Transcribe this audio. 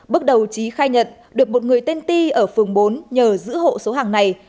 bước đầu trí khai nhận được một người tên ti ở phường bốn nhờ giữ hộ số hàng này